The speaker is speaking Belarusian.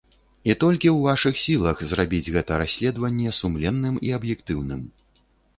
І толькі ў вашых сілах зрабіць гэта расследаванне сумленным і аб'ектыўным.